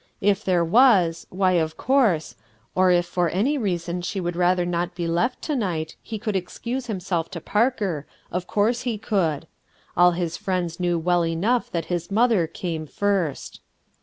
If there was, why of course — or if for any reason sho would rather not be left to night, he could excuse himself to Parker, — of course he could. All his friends knew well enough that Ms mother came first.